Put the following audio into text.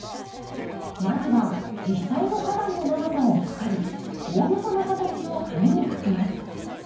まずは実際の花壇の長さを測りおおよその形を紙に描きます。